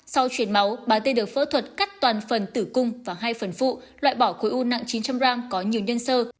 sau chuyển máu bà t được phẫu thuật cắt toàn phần tử cung và hai phần phụ loại bỏ khối u nặng chín trăm linh g có nhiều nhân sơ